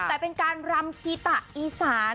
แต่เป็นการรำคีตะอีสาน